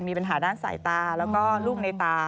มีปัญหาด้านสายตาแล้วก็ลูกในตา